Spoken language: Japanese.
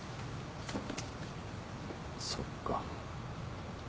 そっか。